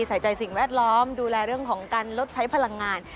ใส่ใจสิ่งแวดล้อมดูแลเรื่องของการลดใช้พลังงาน